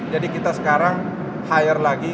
jadi kita sekarang hire lagi